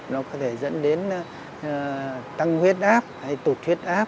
nó có thể dẫn đến tăng huyết áp hay tụt huyết áp